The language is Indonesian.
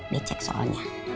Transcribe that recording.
di cek soalnya